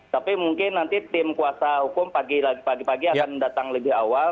tapi mungkin nanti tim kuasa hukum pagi pagi akan datang lebih awal